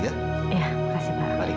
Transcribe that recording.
iya terima kasih pak